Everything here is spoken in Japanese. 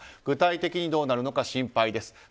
具体的にどうなるのか心配です。